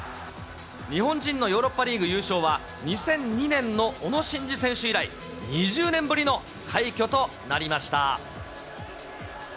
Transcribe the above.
日本人のヨーロッパリーグ優勝は、２００２年の小野伸二選手以来、２０年ぶりの快挙となりました。